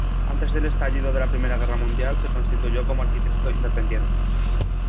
Antes del estallido de la Primera Guerra Mundial se constituyó como arquitecto independiente.